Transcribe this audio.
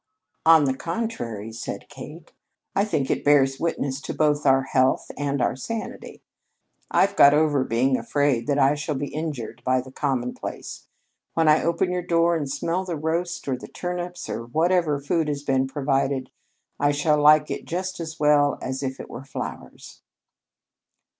"On the contrary," said Kate, "I think it bears witness to both our health and our sanity. I've got over being afraid that I shall be injured by the commonplace. When I open your door and smell the roast or the turnips or whatever food has been provided, I shall like it just as well as if it were flowers."